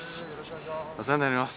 お世話になります。